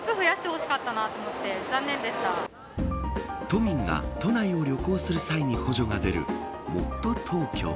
都民が都内を旅行する際に補助が出るもっとＴｏｋｙｏ。